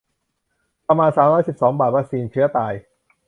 ประมาณ สามร้อยสิบสอง บาท วัคซีนเชื้อตาย